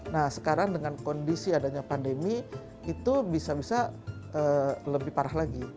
nah sekarang dengan kondisi adanya pandemi itu bisa bisa lebih parah lagi